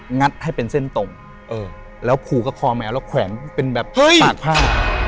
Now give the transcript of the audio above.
หนัดให้เป็นเส้นตมและผูกับคอแมวและแขวนเป็นแบบตากผ้า